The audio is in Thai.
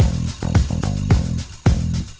เป็นสุขภาพอย่างเดียวเลย